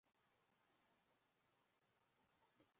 Synonyms of "mustahabb" include "masnun" and "mandub".